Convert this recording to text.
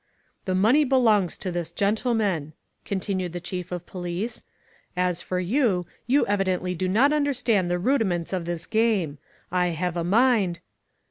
"The money belongs to this gentleman," continued the Chief of Police. "As for you, you evidently do not understand the rudiments of this game. I have a mind.